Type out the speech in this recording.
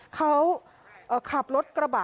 เขาขับรถกระบะ